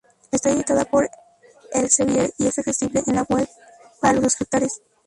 Está editada por Elsevier y es accesible en la Web para los subscriptores.